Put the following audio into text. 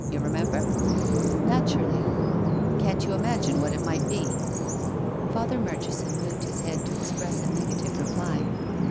You remember ?"" Naturally." " Can't you imagine what it might be." Father Murchison moved his head to express a negative reply.